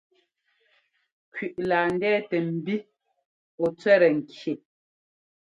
Kẅiʼ laa ndɛ́tɛ mbí ɔ́ cẅɛ́tɛ nki.